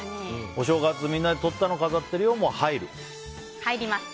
お正月みんなで撮ったの飾っているのも入る？